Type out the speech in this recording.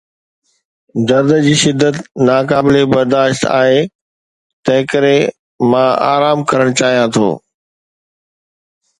درد جي شدت ناقابل برداشت آهي، تنهنڪري مان آرام ڪرڻ چاهيان ٿو.